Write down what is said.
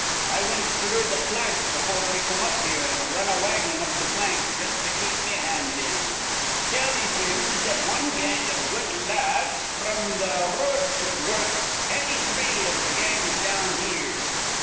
I wint through th' plant befure we come up here, an' r run a wagon up th' plank jus' to keep me hand in. Tell me frinds that wan gang iv good la ads fr'm th' r road cud wurruk anny three iv th' gangs down here.